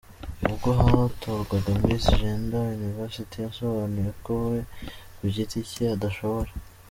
ubwo hatorwaga Miss Gender University, yasobanuye ko we ku giti cye adashobora.